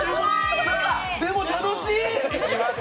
でも楽しい！